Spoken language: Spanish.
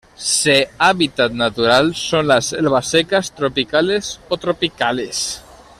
Se hábitat natural son las selvas secas, tropicales o tropicales.